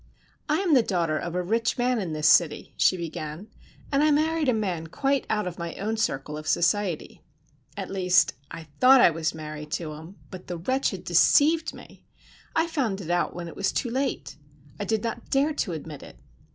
"I am the daughter of a rich man in this city," she began, "and I married a man quite out of my own circle of society. At least, I thought I was married to him, but the wretch had deceived me! I found it out when it was too late. I did not dare to admit it.